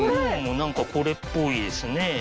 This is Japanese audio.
何かこれっぽいですね。